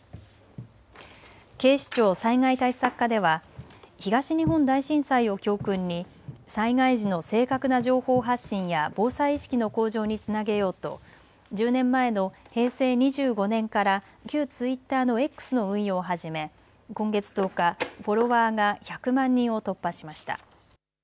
警視庁災害対策課では東日本大震災を教訓に災害時の正確な情報発信や防災意識の向上につなげようと１０年前の平成２５年から旧ツイッターのＸの運用を始め今月１０日、フォロワーが１００万人を突破しました。